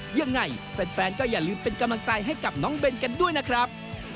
ยังไงแฟนก็อย่าลืมเป็นกำลังใจให้กับน้องเบนกันด้วยนะครับ